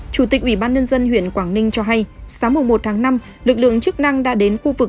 chủ tịch ubnd huyện quảng ninh cho hay sáng một mươi một tháng năm lực lượng chức năng đã đến khu vực